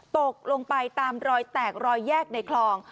ตกลงไปตามรอยแตกรอยแยกในคลอง